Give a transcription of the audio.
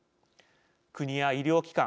国や医療機関